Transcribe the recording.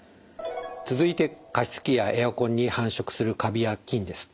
続いて加湿器やエアコンに繁殖するカビや菌です。